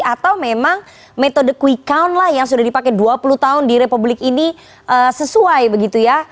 atau memang metode quick count lah yang sudah dipakai dua puluh tahun di republik ini sesuai begitu ya